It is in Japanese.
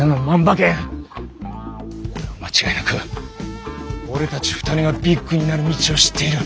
間違いなく俺たち２人がビッグになる道を知っている！